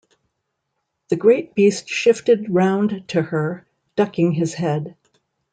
The great beast shifted round to her, ducking his head.